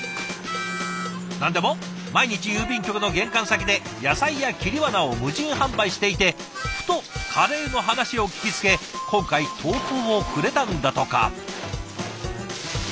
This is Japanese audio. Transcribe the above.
何でも毎日郵便局の玄関先で野菜や切り花を無人販売していてふとカレーの話を聞きつけ今回投稿をくれたんだとか。